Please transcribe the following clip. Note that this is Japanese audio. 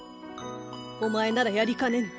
お前ならやりかねぬ。